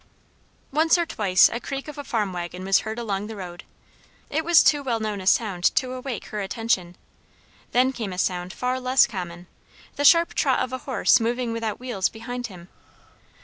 Once or twice a creak of a farm waggon was heard along the road; it was too well known a sound to awake her attention; then came a sound far less common the sharp trot of a horse moving without wheels behind him.